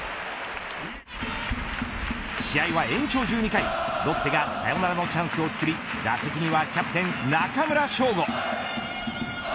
試合は延長１２回、ロッテがサヨナラのチャンスをつくり打席にはキャプテン中村奨吾。